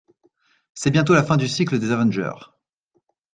C'est bientôt la fin du cycle des avengers.